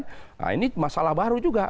nah ini masalah baru juga